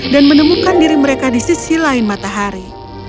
dan menemukan diri mereka di sisi lain matahari